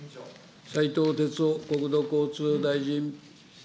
斉藤鉄夫国土交通大臣。